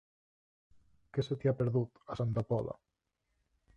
Què se t'hi ha perdut, a Santa Pola?